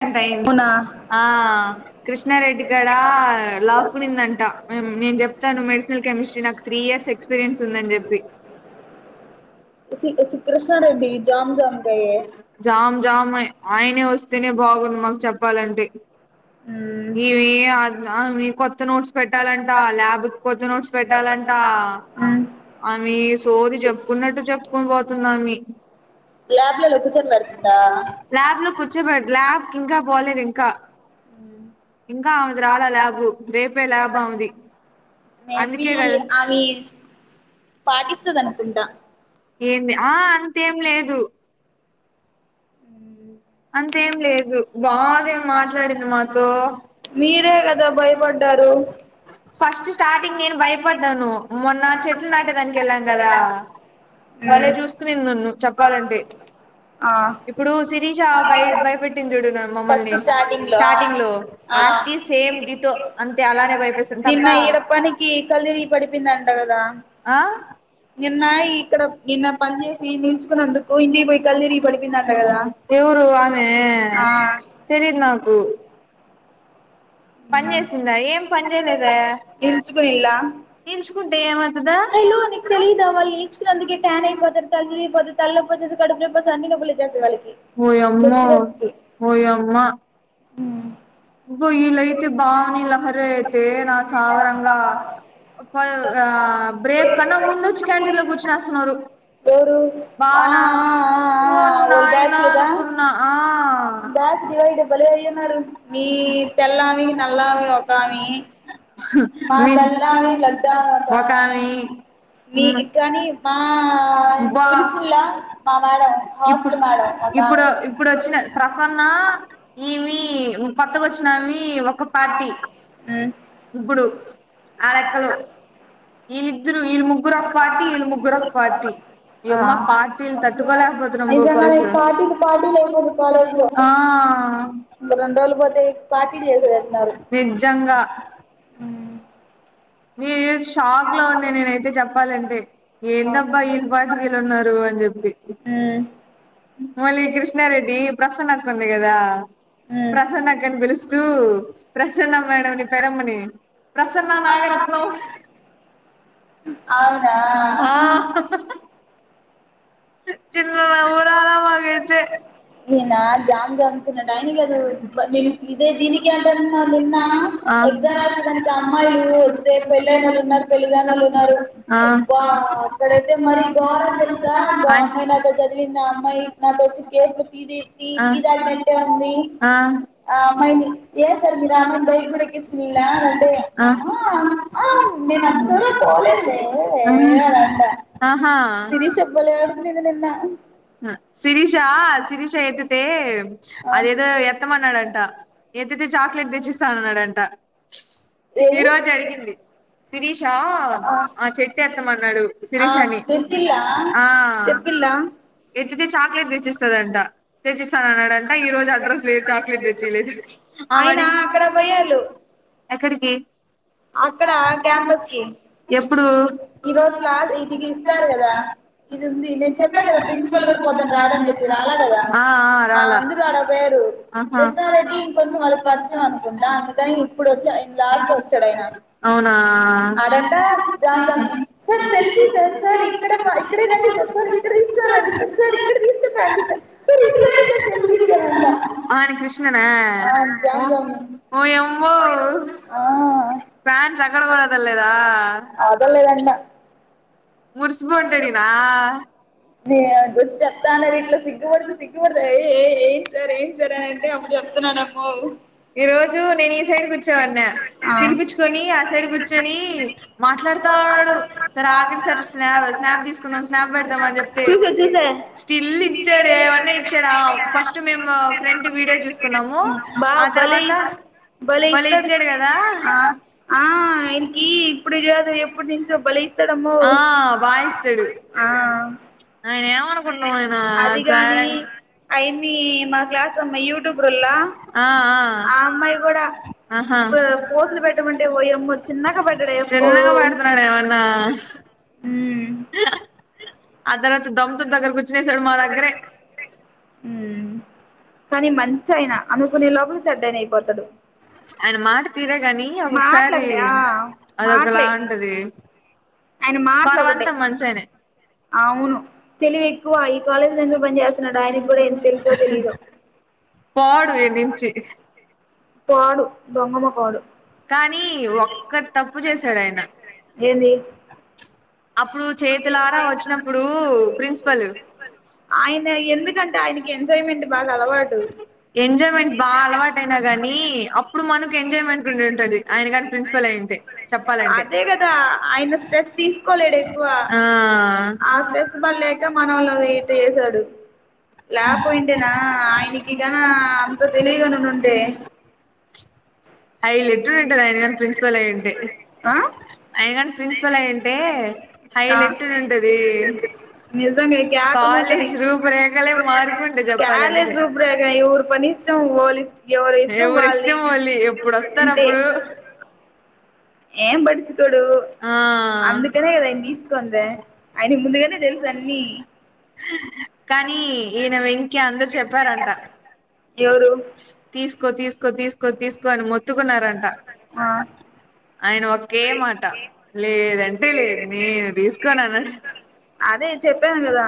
గంటైంది అవునా ఔన ఆ కృష్ణారెడ్డి కాడ లాక్ పడిందంట. ఉమ్ నేను చెప్తాను మెడిసిన్ కెమిస్ట్రీ నాకు త్రీ ఇయర్స్ ఎక్స్పీరియన్స్ ఉందని చెప్పి సి కృష్ణారెడ్డి జామ్ జామ్ కాయే జామ్ జామే ఆయనే ఓస్ చెప్తేనే బాగుండ్ మాకు చెప్పాలంటే ఇవి [unintelligible] కొత్ కొత్త నోట్స్ పెట్టాలంటా, ల్యాబ్క్ కొత్త నోట్స్ పెట్టాలంటా ఆమె సోది చెప్పుకున్నట్టు చెప్పుకోన్ పోతుంద్ ఆమీ ల్యాబ్ లో లొకేషన్ పెడుతుందా ల్యాబ్లో కూర్చోబడ్ ల్యాబ్ ఇంకా పోలేదు ఇంకా ఇంకా అవుంది రాలా ల్యాబ్ రేపే ల్యాబ్ అవుంది మే బి ఆమె పాటిస్తదనుకుంటా ఏంది ఆ అంతేం లేదు అంతేం లేదు బాగాేం మాట్లాడింది మాతో మీరే కదా భయపడ్డారు ఫస్ట్ స్టార్టింగ్ నేను భయపడ్డాను మొన్న చెట్లు నాటేదానికి ఎళ్ళాం కదా వాళ్ళ చూసుకుని చెప్పాలంటే ఆ ఇప్పుడు సీ భయ భయపెట్టింది చూడు ఫస్ట్ మమ్మల్ని స్టార్టింగ్ లో స్టార్టింగ్లో ఆ ఆస్ టీస్ సేమ్ డిటో అంతే అలానే భయపేస్తుంది తప్ప నిన్న ఎడప్పనికి కలిదిరి పడిపిందంట కదా ఆ నిన్న ఇక్కడ నిన్న పని చేసి నిల్చుకున్నందుకు ఇంటికి పోయి కళ్ళిరిగి పడిపోయిందంట కదా ఏ ఊర్ ఆమె ఆ తెలీదు నాకు పన్ చేసిందా ఏం పని చేయలేదే నిల్చుకునిల్లా నిల్చుకుంటే ఏమ దా అకు తెలీయదుా వాళు నిలిచుకు అందుకే టన్ అపోతారు తల్లిపోతారు తల్లి పోేసి కడుపులో అన్ని పులి చేసేళ్ళకి ఓయమ్మో ఓయమ్ హ్ ఇగో ఈలైతే బావుని, లహరి అయితే నా సామిరంగా ఆ బ్రేక్ కన్నా ముందు వచ్చి క్యాండీ లో కూర్చునిస్తున్నారు ఎవరు ఆ భవనా ఆ ఆ ఓర్ ఆ ఓల్ బ్యాచ్ నాయనా అనుకున్నా ఆ ఈ తెల్లామెకి నల్లామె ఒకమే మా మీ తెల్లామే లడ్డు అమ్మే ఒకామె ఒక్కామే మీ కనీ మా బా సిరిసిల్ల మా మేడం హాస్టల్ మేడం ఒకామె ఇప్పుడా ఇప్పుడ్ వచ్చిన ప్రసన్న ఇవి కొత్తగచ్చినామి ఒక పార్టీ ఇప్పుడు ఆరెక్కలు ఈలి పార్టీ ఆ యమ్మ పార్టీలు తట్టుకోలేకపోతున్నాం నిజంగానే భోపాలేష్ లో పార్టీలు పార్టీలు అయిపోదు కాలేజ్లో ఆ అ పోతే పట్టిలు చేసి పెట్టినారు నిజంగా వి ఎస్ షాక్లో ఉండే నేనైతే చెప్పాలంటే ఏందబ్బా వీళ్ళపాటికి వీళ్ళున్నారు అన్ చెప్పి ఆ మళ్ళీ కృష్ణారెడ్డి ప్రసన్నకుంది గదా మ్మ్ ప్రసన్న అక్కని పిలుస్తూ ప్రసన్న మేడంని పెరమ్మని ప్రసన్న నాగరత్నం అవునా భవనా చిన్న నవ్వు రాల మాకైతే నీనా జామ్ జామ్ చిన టయని కాదు ని ఇదే దీనికి అంటన్నవ్ నిన్నా ఆ ఎగ్జామ్ రాసేదానికి అమ్మాయిలు వస్తే పెళ్ళైనోళ్ళు ఉన్నారు పెళ్లి కానోళ్ళు ఉన్నారు. అబ్బా అక్కడైతే మరి గఘోర తెలుసామనా చదివిందా ఆ అమ్మాయి నాతో ఆయ్ వచ్చి కేప్లో టీది టీ ఆ టీ తాగినట్టే ఉంది. ఆ ఆ అమ్మాయిని ఏ సర్ మీరా అమ్మాయిని బైక్ కూడా ఎక్కిస్కులా అంటే తను నేను అంత దూరం పోలేదులే ఏ అదంత ఆ మలయాడుకు నిదునన్న. బ్లాంక్ [unintelligible] సిరీషా సిరీష ఎత్తితే ఆ అదేదో ఎత్తమన్నాడంట. ఎత్తితే చాక్లెట్ తెచ్చిస్తానన్నాడంట ఈ ఏది రోజు అడిగింది. శిరీషా ఆ చెట్టు ఎత్తమన్నాడు ఆ శిరీషని పెట్టిల్లా హా అ చెప్పిల్లా ఎత్తితే చాక్లెట్ తెచ్చిస్తదంట తెచ్చిస్ అన్నాడంట ఈ రోజు అడ్రస్ లే చాక్లెట్ తెచ్చియ లేదు అని ఆమడిగి ఎక్కడి అక్కడ ఆ క్యాంపస్ కి ఎప్పుడు ఈ రోజులాల్ ఇది గిస్తరు గదా ఇది ఉంది నేను చెప్పా కదా. ప్రిన్సిపల్ కూడా పొద్దున రాడని చెప్పి, రాలా కదా ఆ ఆ రాలా అందరూ ఆడా పోయారు. ఆహా క్రిష్ణ రెడ్డి ఇంకొంచెం వాళ్లకు పరిచయం అనుకుంటా. అందుకని ఇప్పుడు వచ్చా ఆయన లాస్ట్ వచ్చాడు అయన అవునా అడంట జామ్ జామ్ నీక్ సార్ సెల్ఫీ సార్ ఇక్కడ ఇక్కడే రండి సర్ సర్ ఇక్కడ తీసుకో సర్ ఇక్కడ తీసుకొని రండి సార్ సార్ ఇటు రండి సార్ సెల్ఫీ కి అంటా ఆయన కృష్ణనా ఆ ఓ జాన్ జామ్ నే ఓ యమ్మో ఆ ఫ్యాన్స్ అక్కడ కూడ వదల్లేదా వదల్లేదంట మురిసిపోతాదడినా నేను గురించి చెప్తాన ఇట్లా సిగ్గుపడితే సిగ్గుపడతా ఏయ్ ఏయ్ ఏంటి సార్ ఏంటి సర్ అంటే అని అంటే అప్పుడు చెప్ తునా నా నమ్మొ ఈ రోజు నేను ఈ సైడ్ కూర్చోవన్న పిలిపిచ్చుకొని ఆ సైడ్ కూర్చొని మాట్లాడుతానడు. సరే ఆగండి సార్ స్నాప్ ఆ స్నాప్ తీసుకుందామని స్నాప్ పెడదామని చెప్ చూసా చూసా స్టిల్ ఇచ్చాడు ఏవన్న ఇచ్చాడ ఫస్ట్ మేము ఫ్రెంట్ వీడియో చూసుకున్న న్నాము ఆ తర్వాత బలే భలే ఇస్తాడు ఇచ్చాడు కదా అ ఆ ఇయనకి ఇప్పుడు కాదు ఎప్పటి నుంచో బలే ఇస్తడమ్మో వాయిస్తడు ఎవనుకుంటున్నవ్ ఆయన సార్ అదిగాని అయన్ని మా క్లాస్ అమ్మాయి యూట్యూబ్ రోలా ఆ అమ్మాయి కూడా ఆహా పొ పొసులు పెట్టమంటే ఓయమ్మో చిన్నగ పెట్టడే ప్పో చిన్నగా పాడుతున్నాడు ఉమ్ అదర్ దమ్సప్ దగ్గర కొచ్చి చేసాడు మా దగ్గరే కానీ మంచి అయినా అనుకునే లోపల చెడ్డన అయిపోతాడు. ఆయన మాట తీరే గాని మాటలు ఒక్కొకసారి ఒకటే ఆ అదొకలా మాటలే ఉంటది. ఆయన మాటలు ఒకటే కొరవంతా మంచాయనే అవును తెలివి ఎక్కువ ఈ కాలేజీలో ఎందుకు పని చేస్తున్నాడు. ఆయనకు కూడా ఎం తెలుసో తెలీదో పోడు ఇడ్నుంచి దొంగమకోడు కానీ ఒక్క తప్పు చేశాడు ఆయన ఏంది అప్పుడు చేతులారా వచ్చినప్పుడు ప్రిన్సిపల్ ఆయన ఎందుకంటే ఆయనకి ఎంజాయ్మెంట్ బాగా అలవాటు ఎంజాయ్మెంట్ బాగా అలవాటయినా కానీ అప్పుడు మనకు ఎంజాయ్మెంట్ ఉండి ఉంటది ఆయన కాని ప్రిన్సిపల్ అయింటే చెప్పాలంటే అదే కదా ఆయన స్ట్రెస్ తీసుకోలేడు ఎక్కువ ఆ ఆ స్ట్రెస్ పడలేక లేకపోయిండేనా ఆయనకి కన అంత తెలివిగన ఉండుంటే హైలెట్టు ఉంటది ఆయన అ అయన గాని ప్రిన్సిపల్ అయుంటే హైలెట్టునుంటదీ నిజంగే క్యాకు ను ఉంటది. రూపురేఖలే మారిపోంటాయి క్యాలేజ్ చెప్పాలంటే రూపు రేక ఎవరు పని ఇష్టం వోళిష్ట్ ఎవరు ఇష్టం వాళ్ళది అంతే ఎప్పుడొస్తారప్పుడు ఏం బాటించుకోడు ఆ అందుకనే కదా ఆయన్ తీసుకుందే ఆయన ముందుగానే తెల్సన్ని కానీ ఈనా వెంకి అందరు చెప్పారంట ఎవరు తీసుకో తీస్ స్కో తీసుకో తీసుకో అని మొత్తుకున్నారంట ఆ ఆయన ఒ కే మాట లేదంటే లేదు నేను తీసుకోన్నానడంట అదే చెప్పాన్ గదా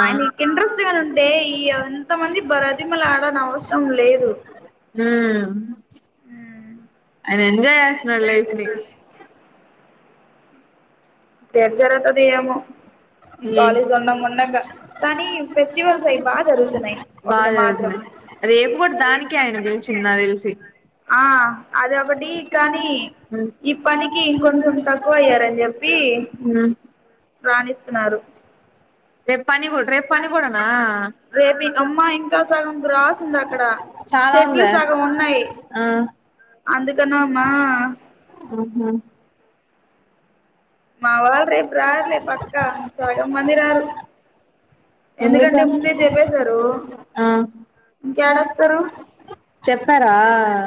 ఆయనకు ఇంట్రెస్ట్ గని ఉంటే ఈ ఎంత మంది బ్రతిమలాడన్ అవసరం లేదు ఉమ్మ్ అయిన ఎంజాయ్ చేస్తున్నాడు లైఫ్ని ఏం జరుగుత్తదేమో ఏ కాలేజ్ ఉండంగా ఉండంగా కానీ ఫెస్టివల్స్ అవి బాగా జరుగుతున్నాయి ఒకటి బాగా మాత్రం చదువుతున్నాడు రేపు గుడ్ దానికే ఆయన పిలిచింది నాక్ తెలిసి ఆ అదొకటి కానీ ఈ పనికీ ఇంకొంచం తక్కువయ్యారని చెప్ ప్పి ఉమ్ రాణిస్తున్నారు రేప్పని గూడా రేప్పనీగుడనా రేపు అమ్మా ఇంకా సగం గ్రాస్ ఉంది అక్కడ చాలా ఉంద ఆ అందుకన్నెమ్మా అహా మా వాళ్ళు రేప్ రార్లే పక్కా సగం మందిరారు ఎందుకంటే ఎందుకని ముందే చెప్పేశారు ఆ ఇంక్యాడోస్తారు చెప్పారా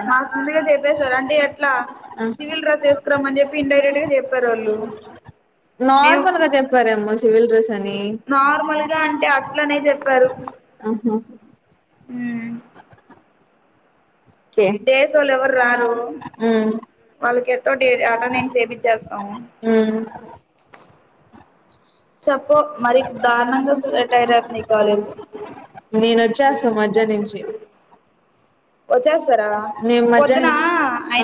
మాక్ ముందుగ చెప్పేశరు అంటే ఎట్లా ఆ సివిల్ డ్రస్ ఏస్కరంమని చెప్పి ఇండైరెక్ట్ గా చెప్పారు వాళ్ళు మేం నార్మల్ గా చెప్పారేమో సివిల్ డ్రెస్ అని నార్మల్గా అం టే అట్లనే చెప్పారు ఆహ ఉమ్మ్ ఓకే డేసోళ్ళు ఎవరు రారు ఉమ్ వాళ్ళకె తోటి అటెండెన్స్ ఏ పించేస్తామ్ ఉమ్ చెప్పు మరి దారుణంగా [inaudible] ఈ కాలేజ్ నేనోచ్చాస మజ్య నుంచి వచ్చేస్తారా నేను మధ్య పొద్దునా నుంచి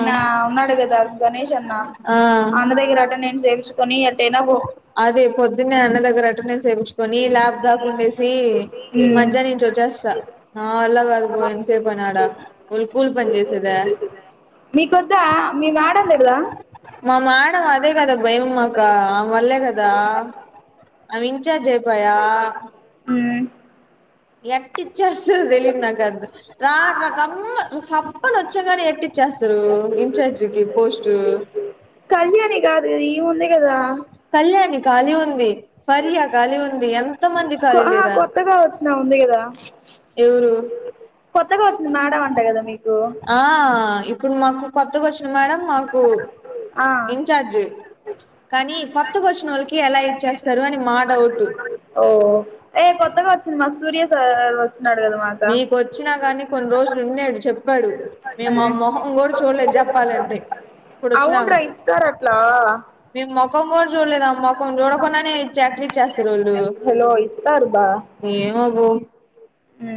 ఆ ఉన్నాడు గదా గణేష్ అన్న ఆ అ అన్న దగ్గర అటెండెన్స్ ఏపించుకొని ఎ అదే పొద్దున్నే అన్న దగ్గర అటెండెన్స్ ఏపించుకొని ల్యాబ్ దాక ఉండేసి మజ్యనుంచి చేస్త నావల్ల గాదు బో ఏన్సేపనాడ ఉల్ కూల్ పని చేసదే మీకొద్దా మీ మాడందిడుదా మా మేడం అదే కదా భయం మాకా ఆమె వల్లేగదా అమె ఇం చార్జ్ అయిపాయా ఎట్టిచ్చేస్త్ తెలియదు నాకది రామ్ కం సప్పన్ వచ్చాగానె ఎట్టిచ్చేస్త తల్ ఇంచార్జికి పోస్టు కళ్యాణి గాదు కళ్యాణి కాలి ఉంది ఫర్యా కాలి ఉంది ఎంత మంది ఖాళీలేరా వచ్చినా ఉంది గదా ఎవరు వచ్చింది మేడం అంట కదా మీకు ఆ ఇప్పుడు మాకు ఈ మేడం మాకు ఆ ఇంచార్జ్ కానీ కొత్తగ్ ఒచ్చినోళ్ళకి ఎలా ఇచ్చేస్తారు అని మా డౌట్ ఓ ఏ కొత్తగా వచ్చిద్ మాక్ సూర్య సార్ వచ్చినాడు కదా మాక మికోచ్చినా గానీ కొన్ని రోజులు ఉన్నాడు చెప్పాడు మేము ఆ మొహం కూడా చూడలేదు జెప్పాలంటే అవున్ రా ఇస్తారట్లా కం కూడా చూడలేదామ్ మొక్కం చూడకుండానే చాకరీ చేస్తారురూడు హలో ఇస్తారు ఏమో బో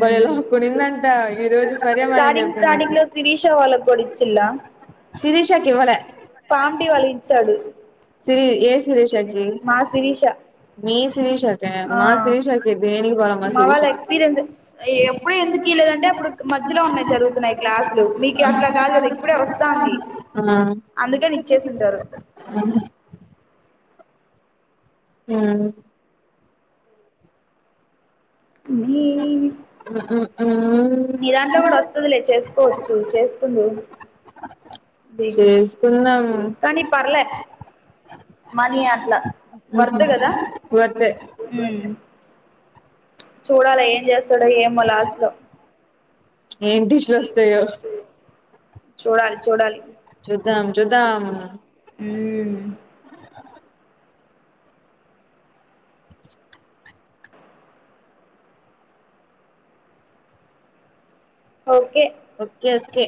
భలే లాక్కొనిందంట ఈ రోజు ఉమ్ ఫరియా మేడం స్టాడింగ్ చెప్పింది స్టాడింగ్ నాకు లో శిరీష వాళ్ళకుడ ఇచ్చిళ్ల శిరీషకి ఇవ్వలే పామ్ టీ వళించాడు సిరీ ఏ శిరీషకి మీ శిరీషకే ఆ మా శిరీషకి దేనికి పోలే మా శిరీష వాళ్ళ ఎక్స్పీరియన్స్ ఆ ఎప్పుడ్ ఎందుకియలేదంటే అప్పుడు మధ్యలో ఉన్నాయి జరుగుతున్నాయి క్లాసులు మీకు అట్లా కాదు కదా ఇప్పుడే వస్తా ఆ అందుకని ఇచ్చేసింటారు [unintelligible] ఉమ్ మీ ఉమ్ ఉమ్ నీ దాంట్లో కూడా వస్తదిలే చేసుకోవచ్చు చేసుకుందు చేసుకుందాం సోని పర్లే మనీ అట్లా వర్త్ కదా వర్తే చూడాలా ఏం చేస్తాడు ఏమో లాస్ట్ లో ఏం టిష్లు వస్తాయో చుద్దాం చుద్దాం ఉమ్ ఓకే ఓకే ఓకే